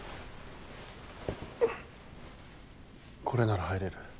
これなら入れる。